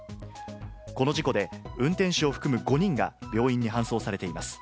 この事故で運転手を含む５人が病院に搬送されています。